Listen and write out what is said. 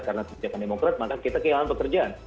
karena kebijakan demokrat maka kita kehilangan pekerjaan